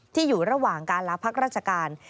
อยู่ระหว่างการลาพักราชการ